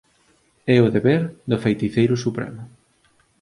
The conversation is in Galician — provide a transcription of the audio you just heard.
É o deber do Feiticeiro Supremo